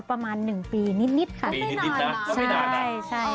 เป็นหนึ่งปีนิดนะ